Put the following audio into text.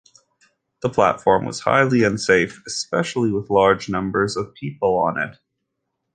The platform was highly unsafe, especially with large numbers of people on it.